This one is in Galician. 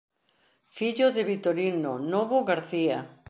Fillo de Victorino Novo García.